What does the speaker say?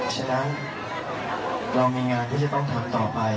ฉะนั้นเรามีงานที่จะต้องทำต่อไป